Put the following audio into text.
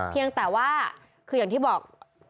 เพียงแต่ว่าคืออย่างที่บอก